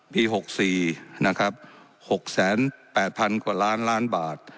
ปีหกสี่นะครับหกแสนแปดพันกว่าล้านล้านบาท